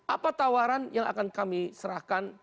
apa tawaran yang akan kami serahkan